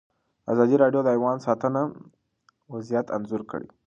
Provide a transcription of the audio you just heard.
ازادي راډیو د حیوان ساتنه وضعیت انځور کړی.